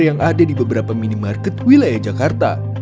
yang ada di beberapa minimarket wilayah jakarta